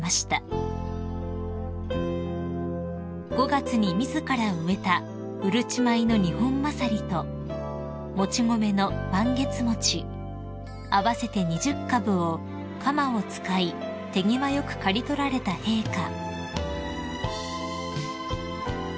［５月に自ら植えたうるち米のニホンマサリともち米のマンゲツモチ合わせて２０株を鎌を使い手際よく刈り取られた陛下］